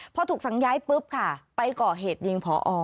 พอถูกสั่งย้ายปุ๊บค่ะไปก่อเหตุยิงพอ